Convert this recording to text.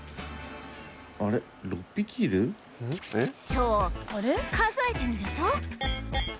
そう数えてみると